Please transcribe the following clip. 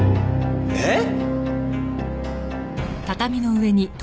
えっ？